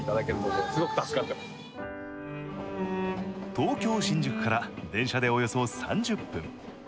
東京・新宿から電車でおよそ３０分。